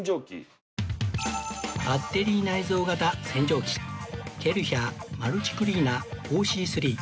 バッテリー内蔵型洗浄機ケルヒャーマルチクリーナー ＯＣ３